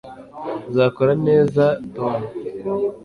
uzakora neza, tom